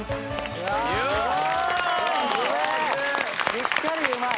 しっかりうまい。